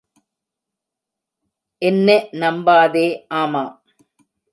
என்னெ நம்பாதே, ஆமாம்.